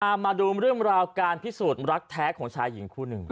มาดูเรื่องราวการพิสูจน์รักแท้ของชายหญิงคู่หนึ่ง